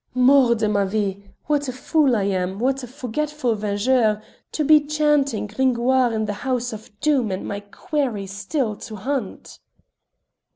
"Mort de ma vie! what a fool I am; what a forgetful vengeur, to be chanting Gringoire in the house of Doom and my quarry still to hunt!"